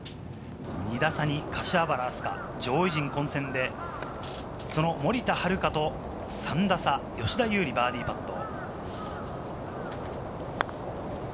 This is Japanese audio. ２打差に柏原明日架、上位陣混戦で、その森田遥と３打差、吉田優利、バーディーパット。